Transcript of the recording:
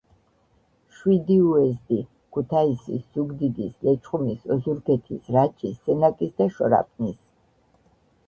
შვიდი უეზდი: ქუთაისის, ზუგდიდის, ლეჩხუმის, ოზურგეთის, რაჭის, სენაკის და შორაპნის.